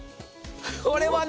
これはね